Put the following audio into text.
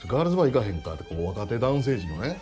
若手男性陣のね